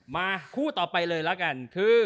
มาคู่ต่อไปเลยละกัน